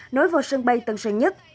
nối vào sân bay tân sơn nhất